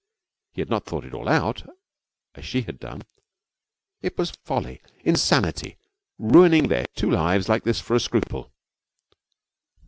He had not thought it all out, as she had done. It was folly, insanity, ruining their two lives like this for a scruple.